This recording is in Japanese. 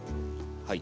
はい。